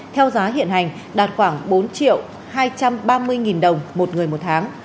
theo giá hiện hành đạt khoảng bốn hai trăm ba mươi đồng một người một tháng